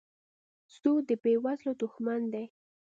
سود د بېوزلو دښمن دی.